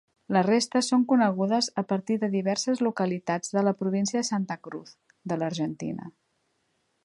Les restes són conegudes a partir de diverses localitats de la província de Santa Cruz, de l'Argentina.